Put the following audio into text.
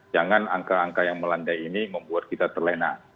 jangan angka angka yang melandai ini membuat kita terlena